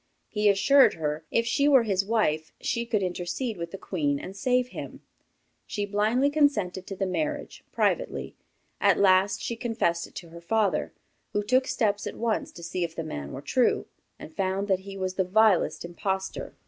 He assured her, if she were his wife, she could intercede with the Queen and save him. She blindly consented to the marriage, privately. At last, she confessed it to her father, who took steps at once to see if the man were true, and found that he was the vilest impostor.